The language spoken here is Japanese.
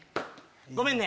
ごめんね。